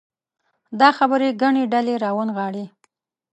دا خبرې ګڼې ډلې راونغاړي.